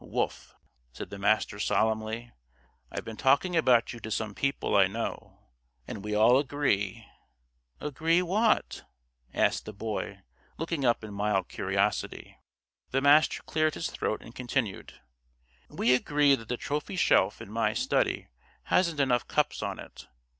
"Wolf," said the Master, solemnly, "I've been talking about you to some people I know. And we all agree " "Agree what?" asked the Boy, looking up in mild curiosity. The Master cleared his throat and continued: "We agree that the trophy shelf in my study hasn't enough cups on it.